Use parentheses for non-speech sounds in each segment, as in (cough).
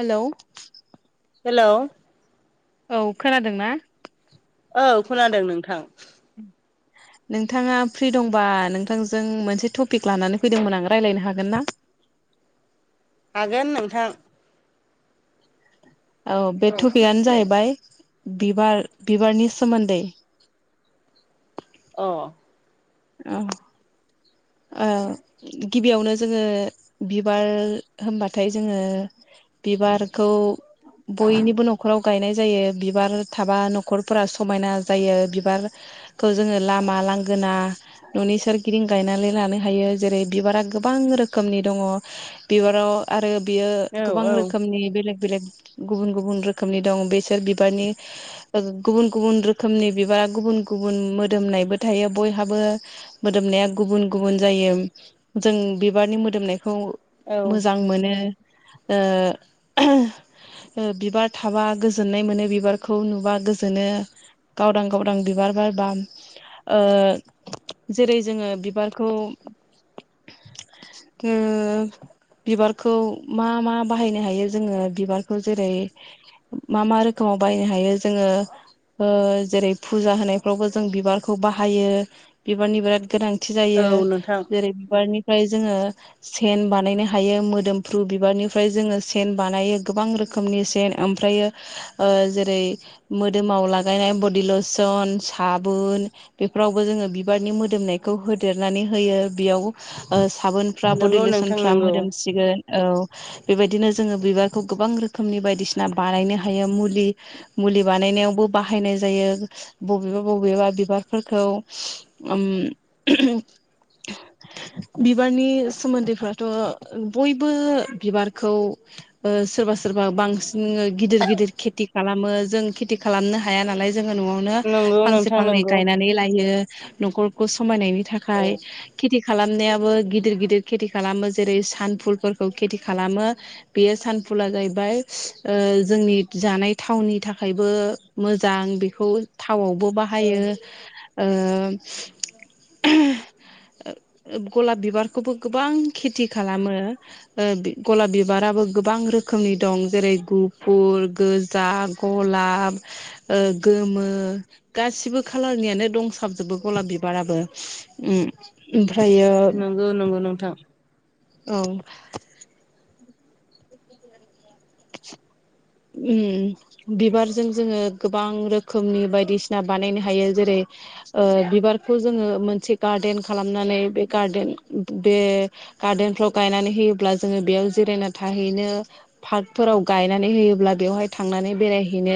hello hello औ खोनादोंना औ खोनादों नोंथां नोंथाङा फ्रि दंबा नोंथांजों मोनसे टपिक लानानै फैदोंमोन आं रायज्लायनो हागोन ना हागोन नोंथां औ बे टपिकआनो जाहैबाय बिबार बिबारनि सोमोन्दै अ औ गिबियावनो जोङो बिबार होनबाथाय जोङो बिबारखौ बयनिबो न'खराव गायनाय जायो बिबार थाबा न'खरफोरा समायना जायो बिबार खौ जोङो लामा लांगोना न'नि सोरगिदिं गायनानै लानो हायो जेरै बिबारा गोबां रोखोमनि दङ बिबाराव आरो बियो गोबां औ रोखोमनि बेलेग बेलेग गुबुन गुबुन रोखोमनि दं बेसोर बिबारनि गुबुन गुबुन रोखोमनि बिबारा गुबुन गुबुन मोदोमनायबो थायो बयहाबो मोदोमनाया गुबुन गुबुन जायो जों बिबारनि मोदोमनायखौ औ मोजां मोनो दा (unintelligible) बिबार थाबा गोजोननाय मोनो बिबारखौ नुबा गोजोनो गावदां गावदां बिबार बारबा ओ जेरै जोङो बिबार (unintelligible) बिबारखौ मा मा बाहायनो हायो जोङो बिबारखौ जेरै मा मा रोखोमाव बाहायनो हायो जोङो जेरै फुजा होनायफ्रावबो जों बिबारखौ बाहायो बिबारनि बिराद गोनांथि औ जायो नोंथां जेरै बिबारनिफ्राय जोङो सेन बानायनो हायो मोदोमफ्रु बिबारनिफ्राय जोङो सेन बानायो गोबां रोखोम रोखोमनि सेन ओमफ्रायो जेरै मोदोमाव लागायनाय बडि लसन साबुन बेफोरावबो जोङो बिबारनि मोदोमनायखौ होदेरनानै होयो बेयाव साबोन फ्रा बडि नंगौ नोंथां लिसनफ्रा नंगौ मोदोमसिगोन औ बेबायदिनो जोङो बिबारखौ गोबां रोखोमनि बायदिसिना बानायनो हायो मुलि मुलि बानायनायावबो बाहायनाय जायो बबेबा बबेबा बिबारफोरखौ उ बिबारनि सोमोन्दैफ्राथ' बयबो बिबारखौ सोरबा सोरबा बांसिन गिदिर गिदिर खेथि खालामो जों खेथि खालामनो हाया नालाय जोङो न'आव नंगौ फांसे नोंथां फांनै नंगौ गायनानै लायो न'खरखौ समायनायनि औ थाखाय खालामनायाबो गिदिर गिदिर खेथि खालामो जेरै सानफुलफोरखौ खेथि खालामो बेयो सानफुला जाहैबाय जोंनि जानाय थावनि थाखायबो मोजां बेखौ थावआवबो बाहायो गलाब बिबारखौबो गोबां खेथि खालामो गलाब बिबाराबो गोबां रोखोमनि दं जेरै गुफुर गोजा गलाब गोमो गासिबो खालारनियानो दंसाबजोबो गलाब बिबाराबो ओ ओमफ्रायो ओ नंगौ नोंथां औ उम बिबारजों जोङो गोबां रोखोमनि बायदिसिना बानायनो हायो जेरै बिबारखौ जोङो मोनसे गार्देन खालामनानै बे गार्देन बे गार्देनफ्राव गायनानै होयोब्ला जोङो बेयाव जिरायना थाहैनो पार्कफोराव गायनानै होयोब्ला बेवहाय थांनानै बेरायहैनो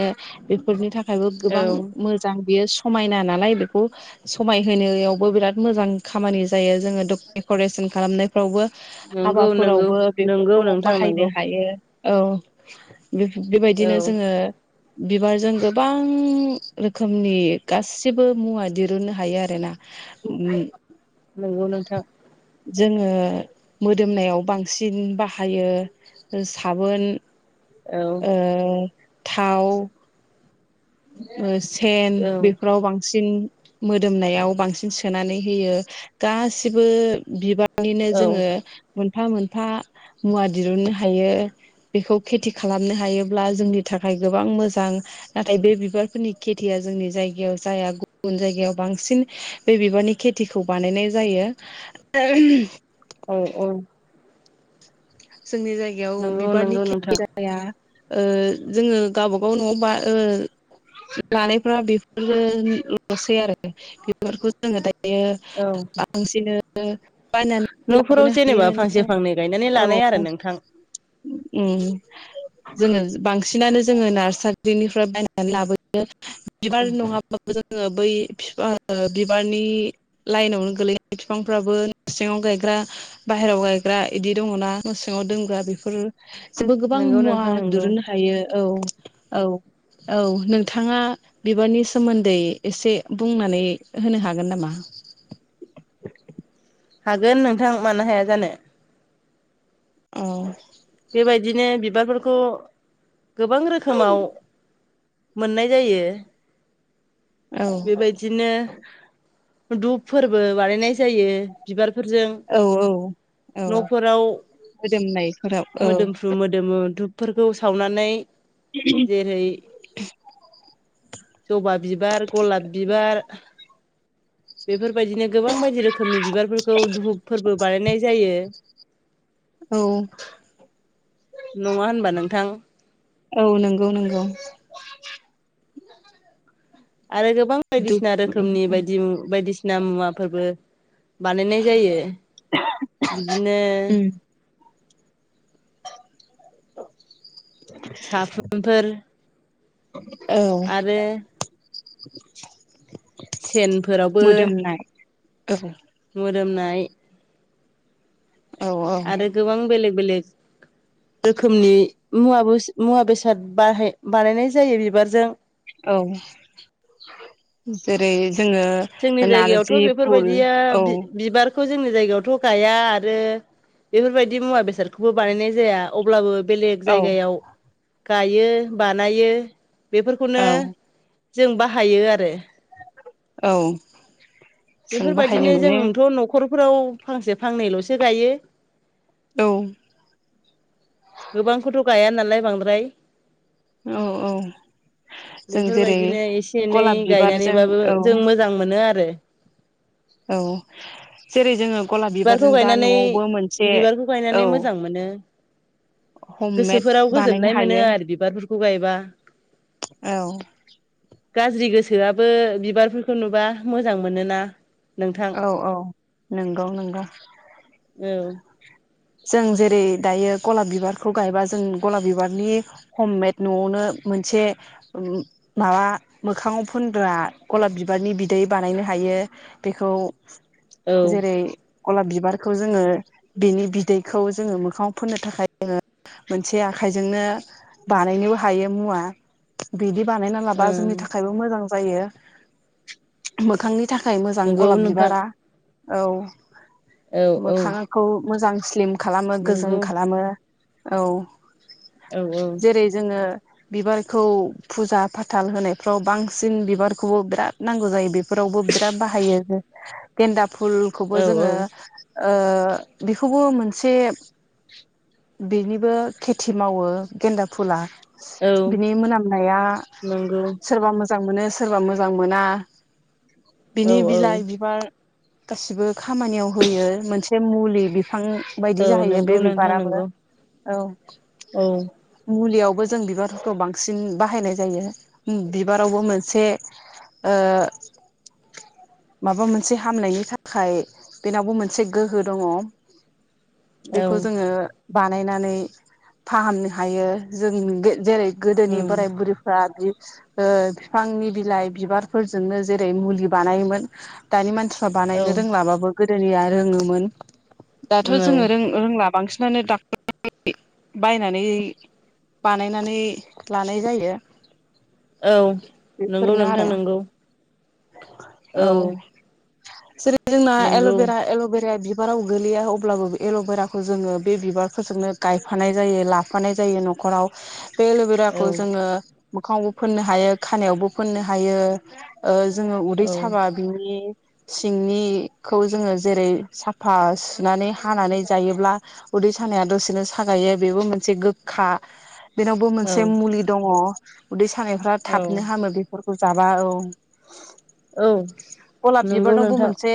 बेफोरनि थाखाय ओमायबो औ गोबां मोजां बेयो समायना नालाय बेखौ समाय होनायावबो बिराद मोजां खामानि जायो जोङो डेक'रेसन खालामनाय फोरावबो नंगौ नंगौ हाबाफोरावबो नंगौ बेफोरखौ नोंथां नंगौ बाहायनो हायो औ औ बेबायदिनो जोङो बिबारजों गोबां रोखोमनि गासिबो मुवा दिरुननो हायो आरोना उम नोंगौ नोंथां जोङो मोदोमनायाव बांसिन बाहायो साबोन औ ओ थाव सेन औ बेफोराव बांसिन मोदोमनायाव बांसिन सोनानै होयो गासिबो बिबार बिदिनो औ जोङो मोनफा मोनफा मुवा दिरुननो हायो बेखौ खेथि खालामनो हायोब्ला जोंनि थाखाय गोबां मोजां आरो बे बिबारफोरनि खेथिया जोंनि जायगायाव जाया गुबुन जायगायाव बांसिन बे बिबारनि खेथिखौ बानायनाय जायो आरो औ औ जोंनि जायगायाव नंगौ बिबारनि नंगौ नोंथां खेथि जोङो गावबागाव न'आव बा लानायफ्रा बेफोरल'सै आरो बेफोरखौ जोङो दायो औ बांसिनो बायनानैबो न'फोराव लाबोनो जेनेबा हायो न' फांसे फांनै गायनानै लानाय औ आरो नोंथां जोङो बांसिनानो जोङो नार्सारिनिफ्राय बायनानै लाबोयो बिबार नङाबाबो जोङो बै बिबारनि लाइनावनो गोलैनाय बिफांफ्राबो सिङाव गायग्रा बाहेरायाव गायग्रा इदि दङना न सिङाव दोनग्रा बेफोर जोंबो गोबां नंगौ मुवा नोंथां नंगौ दुरुननो हायो औ औ औ नोंथाङा बिबारनि सोमोन्दै एसे बुंनानै होनो हागोन नामा हागोन नोंथां मानो हाया जानो औ बेबायदिनो बिबारफोरखौ गोबां रोखोमाव मोननाय जायो औ बेबायदिनो दुपफोरबो बानायनाय जायो बिबारफोरजों औ-औ-औ न'फोराव मोदोमनायफोराव औ मोदोमफ्रु मोदोमो धुपफोरखौ सावनानै जेरै जबा बिबार गलाब बिबार बेफोरबायदिनो गोबां बायदि रोखोमनि बिबारफोरखौ धुपफोरबो बानायनाय जायो औ (inaudible) नङा होनबा नोंथां औ नंगौ नंगौ आरो गोबां दुब बायदिसिना रोखोमनि बायदि बायदिसिना मुवाफोरबो बानायनाय जायो बिदिनो उम साबोनफोर औ (inaudible) सेनफोरावबो मोदोमनाय औ मोदोमनाय औ औ आरो गोबां बेलेग बेलेग रोखोमनि मुवा मुवा बेसाद बा बानायनाय जायो बिबारजों औ जेरै जोङो जोंनि नारजि फुल औ बेखौ जोंनि जायगायावथ' गाया आरो बेफोरबायदि मुवा बेसादखौबो बानायनाय जाया अब्लाबो बेलेग औ जायगायाव गायो बानायो बेफोरखौनो औ जों बाहायो आरो औ जों बाहायनो बेफोरबायदिनो मोनो जोंथ' न'खरफोराव फांसे फांनैल'सो गायो औ गोबांखौथ' गाया नालाय बांद्राय औ औ जों जेरै बेफोरबायदिनो एसे एनै गलाब बिबारजों गायनानैबाबो औ जों मो जां मोनो आरो औ जेरै जोङो गलाब बिबारखौ बिबारजों दा गायनानै न'आवबो मोनसे बिबारखौ औ गायनानै मोजां मोनो हममेद गोसोफोराव बानायनो गोजोननाय मोनो हायो आरो बिबारफोरखौ गायबा औ गाज्रि गोसोआबो बिबारफोरखौ नुबा मोजां मोनोना नोंथां औ-औ नंगौ नंगौ औ जों जेरै दायो गलाब बिबारखौ गायबा जों गलाब बिबारनि हममेद न'आवनो मोनसे माबा मोखाङाव फोनग्रा गलाब बिबारनि बिदै बानायनो हायो बेखौ औ जेरै गलाब बिबारखौ जोङो बिनि बिदैखौ जोङो मोखाङाव फोननो थाखाय जोङो मोनसे आखाइजोंनो बानायनोबो हायो मुवा बिदि बानायना लाबा ओ जोंनि थाखायबो मोजां जायो मोखांनि थाखाय मोजां नंगौ गलाब नोंथां बिबारा औ औ औ मोखांखौ मोजां स्लिम खालामो गोजों नंगौ खालामो औ औ औ जेरै जोङो बिबारखौ फुजा फाथाल होनायफ्राव बांसिन बिबारखौबो बिराद नांगौ जायो बे बेफोरावबो बिराद बाहायो गेन्दा फुलखौबो औ जोङो औ ओ बेखौबो मोन से बेनिबो खेथि मावो गेन्दा फुला औ बिनि मोनामनाया नंगौ सोरबा मोजां मोजां मोनो सोरबा मोजां मोना बिनि औ औ बिलाइ बिबार गासिबो खामानियाव होयो मोनसे मुलि बिफां बायदि औ जाहैयो नंगौ बे नोंथां बिबाराबो नंगौ औ औ मुलियावबो जों बिबारफोरखौ बांसिन बाहायनाय जायो बिबारावबो मोनसे ओ माबा मोनसे हामनायनि थाखाय बेनावबो मोनसे गोहो दङ औ बेखौ जोङो बानायनानै फाहामनो हायो जों जेरै गोदोनि उम बोराय बुरिफ्रा बि बिफांनि बिलाइ बिबारफोरजोंनो जेरै मुलि बानायोमोन दानि मानसिफ्रा बानायनो रोंलाबाबो गोदोनिया रोङोमोन दाथ' औ औ ओं रोंला बांसिनानो (unintelligible) बायनानै बानायनानै लानाय जायो औ नंगौ बेफोरनो नोंथां आरो नंगौ औ जेरै जोंना नंगौ एल'बेरा एल'भेराया बिबाराव गोल्लैया अब्लाबो एल'बेराखौ जोङो बे बिबारफोरजोंनो गायफानाय जायो लाफानाय जायो न'खराव बे औ एलबेराखौ जोङो मोखाङावबो फोननो हायो खानायावबो फोननो हायो ओ जोङो उदै औ साबा बिनि सिंनिखौ जोङो जेरै साफा सुनानै खानानै जायोब्ला उदै सानाया दसेनो सागायो बेबो मोनसे गोखा बेनावबो औ मोनसे मुलि दङ उदै सानायफ्रा थाबनो औ हामो बे फोरखौ जाबा औ औ गलाब नंगौ बिबारनावबो नोंथां मोनसे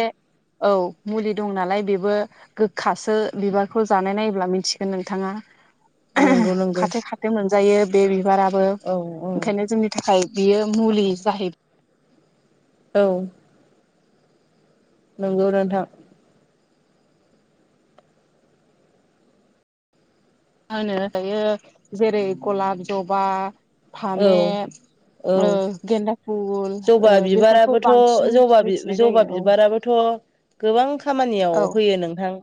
औ मुलि दं नालाय बेबो गोखासो बिबारखौ जानाय अब्ला मिथिगोन नोंथाङा नंगौ नंगौ बे मोनजायो बे बिबाराबो औ औ ओंखायनो जोंनि थाखाय बियो मुलि जाहै औ नंगौ नोंथां आङो दायो जेरै गलाब जबा फामे औ ओ औ गेन्दा फुल जबा बेफोरखौ बिबाराबोथ' बांसिन मिथिनाय जायो औ थ' गोबां खामानियाव औ होयो नोंथां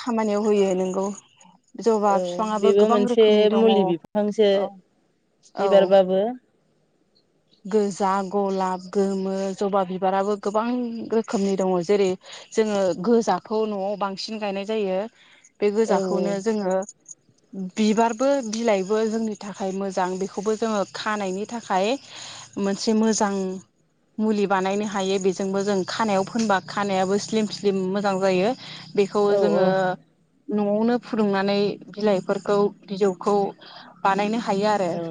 खामानियाव होयो नोंगौ जबा औ बिफाङाबो बेबो गोबां मोनसे रोखोमनि दङ औ मुलि बिफांसो औ बिबारबाबो गोजा गलाब गोमो जबा बिबाराबो गोबां रोखोमनि दङ जेरै जोङो गोजाखौ न'आव बांसिन गायनाय जायो बे औ गोजाखौनो जोङो बिबारबो बिलाइबो जोंनि थाखाय मोजां बेखौबो जोङो खानायनि थाखाय मोनसे मोजां मुलि बानायनो हायो बेजोंबो जों खानायाव फोनबा खानायाबो स्लिम स्लिम मोजां जायो बेखौ औ जोङो औ न'आवनो फुदुंनानै बिलाइफोरखौ बिजौखौ बानायनो हायो आरो औ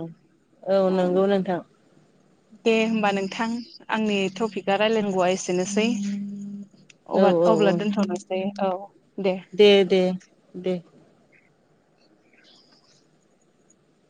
औ नंगौ नोंथां दे होमबा नोंथां आंनि टपिकआ रायलायनांगौआ एसेनोसै औ अ औ अब्ला औ दोनथ'नोसै औ दे दे दे दे